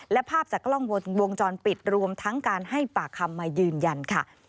และภาพจากกล้องวงจรปิดรวมทั้งการให้ปากคำมายืนยันค่ะ